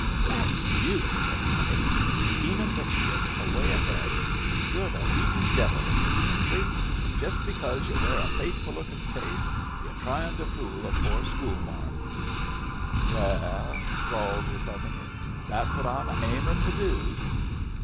"That's you!" said Honey. "Schemin' mischief away ahead. You're the leadin' devil in this country, and just because yu' wear a faithful looking face you're tryin' to fool a poor school marm." "Yes," drawled the Southerner, "that's what I'm aiming to do."